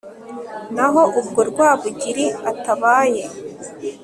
naho ubwo rwabugili atabaye